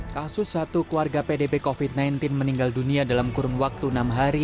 kasus satu keluarga pdb covid sembilan belas meninggal dunia dalam kurun waktu enam hari